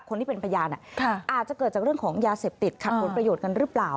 คนที่เป็นพยานอาจจะเกิดจากเรื่องของยาเสพติดขัดผลประโยชน์กันหรือเปล่า